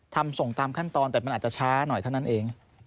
ทำส่งตามขั้นตอนแต่มันอาจจะช้าหน่อยเท่านั้นเอง